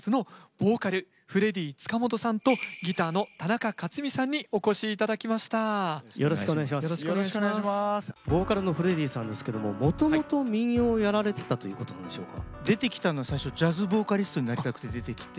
ボーカルのフレディさんですけどももともと民謡をやられてたということなんでしょうか？